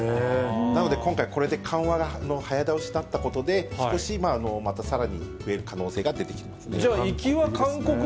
なので、今回これで緩和の早倒しだったので、少しまたさらに増える可能性が出てきますね。